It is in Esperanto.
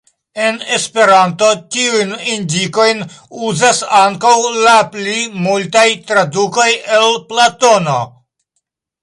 En Esperanto tiujn indikojn uzas ankaŭ la pli multaj tradukoj el Platono.